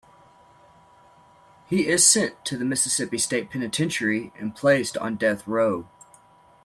He is sent to the Mississippi State Penitentiary and placed on death row.